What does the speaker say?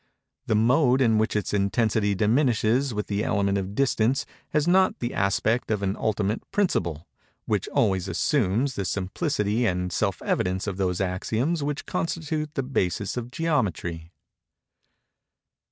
The mode in which its intensity diminishes with the element of distance, has not the aspect of an ultimate principle; which always assumes the simplicity and self evidence of those axioms which constitute the basis of Geometry."